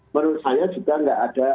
menurut saya juga nggak ada